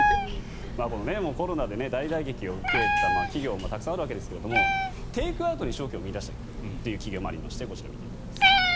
コロナで大打撃を受けた企業もたくさんあるわけですがテイクアウトに商機を見いだした企業もありましてこちらを見ていきます。